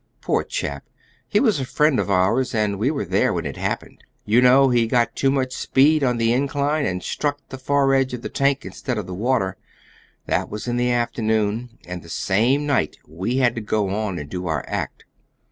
Poor chap! He was a friend of ours, and we were there when it happened. You know, he got too much speed on the incline, and struck the far edge of the tank instead of the water. That was in the afternoon, and the same night we had to go on and do our act.